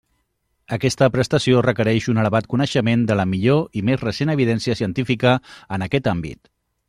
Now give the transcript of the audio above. Aquesta prestació requereix un elevat coneixement de la millor i més recent evidència científica en aquest àmbit.